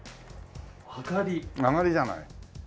「あがり」じゃない。